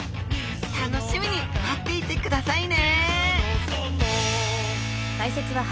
楽しみに待っていてくださいね！